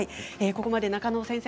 ここまで中野先生